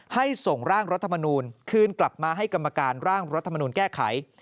ส่งร่างรัฐมนูลคืนกลับมาให้กรรมการร่างรัฐมนูลแก้ไข